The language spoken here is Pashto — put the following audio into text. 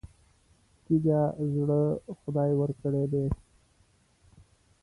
تېږه زړه خدای ورکړی دی.